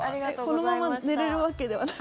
このまま寝れるわけではなく？